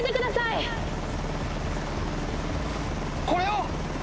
これを？